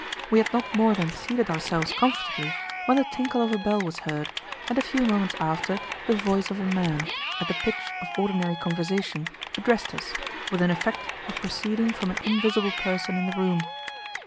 We had not more than seated ourselves comfortably when the tinkle of a bell was heard, and a few moments after the voice of a man, at the pitch of ordinary conversation, addressed us, with an effect of proceeding from an invisible person in the room.